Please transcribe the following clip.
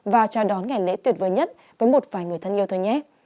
và chào đón ngày lễ tuyệt vời nhất với một vài người thân yêu thương nhé